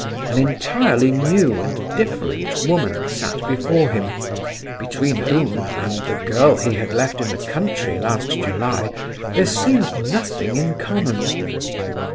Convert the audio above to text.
An entirely new and different woman sat before him, between whom and the girl he had left in the country last July there seemed nothing in common.